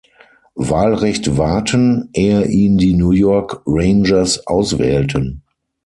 Wahlrecht warten, ehe ihn die New York Rangers auswählten.